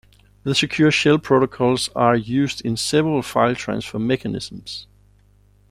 The Secure Shell protocols are used in several file transfer mechanisms.